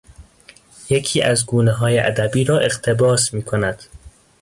یکی از گونه های ادبی را اقتباس می کند